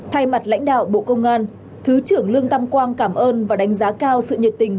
thay mặt lãnh đạo bộ công an thứ trưởng lương tam quang cảm ơn và đánh giá cao sự nhiệt tình